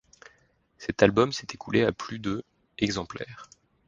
Cet album s'est écoulé à plus de exemplaires.